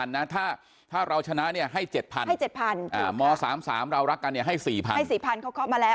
ให้๔๐๐๐บาทถ้าเราชนะให้๗๐๐๐บาทม๓๓เรารักกันให้๔๐๐๐บาท